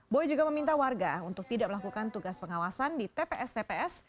boy juga meminta warga untuk tidak melakukan tugas pengawasan di tps tps